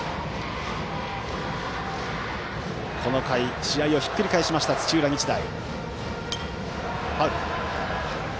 この回、試合をひっくり返した土浦日大。